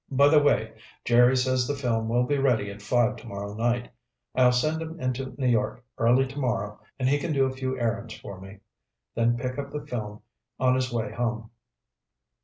By the way, Jerry says the film will be ready at five tomorrow night. I'll send him into New York early tomorrow and he can do a few errands for me, then pick up the film on his way home."